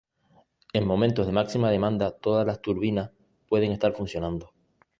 En momentos de máxima demanda todas las turbinas pueden estar funcionando.